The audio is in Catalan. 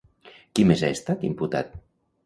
Qui més ha estat imputat?